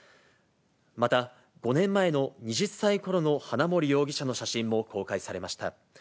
また、５年前の２０歳ころの花森容疑者の写真も公開されました。